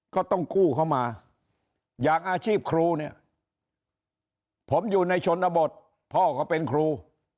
ก็ต้องกู้เข้ามาอย่างอาชีพครูเนี่ยผมอยู่ในชนบทพ่อก็เป็นครู